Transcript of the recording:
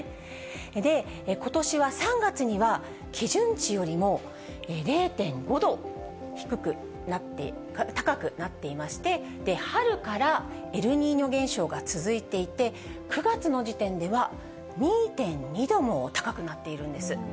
で、ことしは３月には、基準値よりも０．５度高くなっていまして、春からエルニーニョ現象が続いていて、９月の時点では、２．２度も高くなっているんです。